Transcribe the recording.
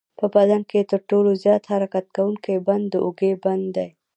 په بدن کې تر ټولو زیات حرکت کوونکی بند د اوږې بند دی.